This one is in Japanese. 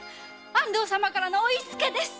安藤様からのお言いつけです。